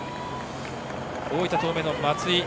大分東明の松井。